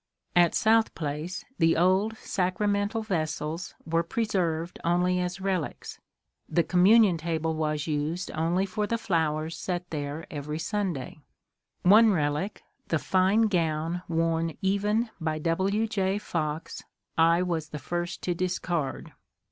At South Place the old sacramental vessels were preserved only as relics, the com munion table was used only for the flowers set there every Sun day : one relic, the fine gown worn even by W. J. Fox, I was the first to discard.